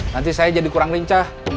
nanti saya jadi kurang lincah